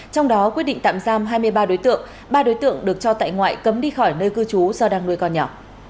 trong đó quyết định tạm giam hai mươi ba đối tượng ba đối tượng được cho tại ngoại cấm đi khỏi nơi cư trú do đang nuôi con nhỏ